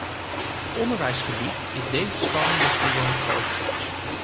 Op onderwijsgebied is deze spanning misschien wel het grootst.